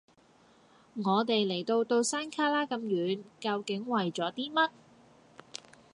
我哋嚟到到山旮旯咁遠，究竟為咗啲乜？